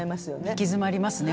行き詰まりますね